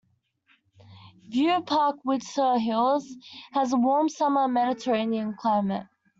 View Park-Windsor Hills has a warm-summer Mediterranean climate.